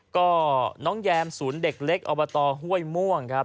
ก็น้องแยมศูนย์เด็กเล็กอบตห้วยม่วงครับ